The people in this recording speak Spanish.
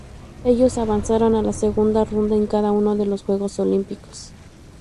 Ellos avanzaron a la segunda ronda en cada uno de los Juegos Olímpicos.